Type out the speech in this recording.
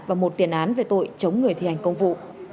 và một tiền án về tội chống người thi hành công vụ